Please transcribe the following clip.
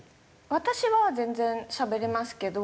私は全然しゃべれますけど。